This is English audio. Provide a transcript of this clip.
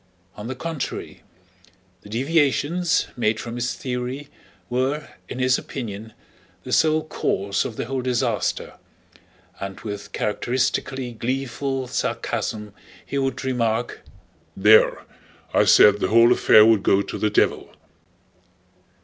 On the contrary, the deviations made from his theory were, in his opinion, the sole cause of the whole disaster, and with characteristically gleeful sarcasm he would remark, "There, I said the whole affair would go to the devil!"